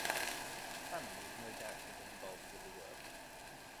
Salmon would no doubt have been involved with the work.